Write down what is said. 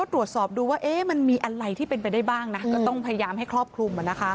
ตรวจสอบดูว่ามันมีอะไรที่เป็นไปได้บ้างนะก็ต้องพยายามให้ครอบคลุม